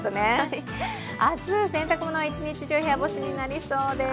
明日、洗濯物は一日中部屋干しになりそうです。